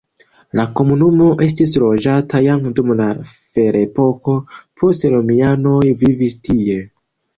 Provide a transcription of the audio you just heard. La komunumo estis loĝata jam dum la ferepoko, poste romianoj vivis tie.